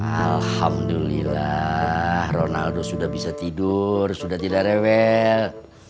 alhamdulillah ronaldo sudah bisa tidur sudah tidak rewet